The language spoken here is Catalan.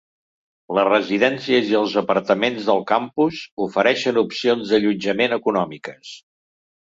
Les residències i els apartaments del campus ofereixen opcions d'allotjament econòmiques.